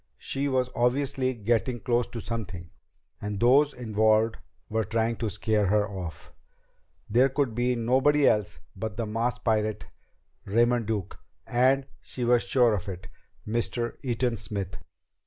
She was obviously getting close to something and those involved were trying to scare her off. It could be nobody else but the masked pirate, Raymond Duke, and, she was sure of it, Mr. Eaton Smith.